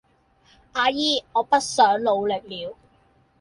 阿姨我不想努力了